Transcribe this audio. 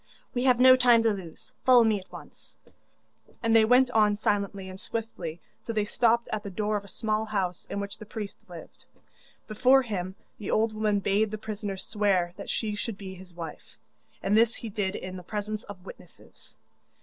'We have no time to lose follow me at once,' and they went on silently and swiftly till they stopped at the door of a small house in which the priest lived. Before him the old woman bade the prisoner swear that she should be his wife, and this he did in the presence of witnesses.